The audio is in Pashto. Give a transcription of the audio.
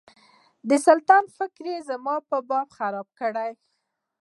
د سلطان فکر یې زما په باب خراب کړ.